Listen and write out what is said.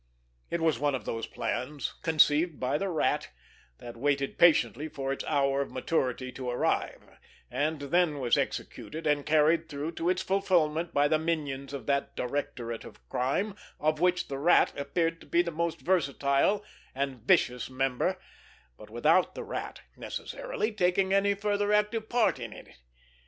It was one of those plans, conceived by the Rat, that waited patiently for its hour of maturity to arrive, and then was executed and carried through to its fulfilment by the minions of that Directorate of crime of which the Rat appeared to be the most versatile and vicious member, but without the Rat, necessarily, taking any further active part in it.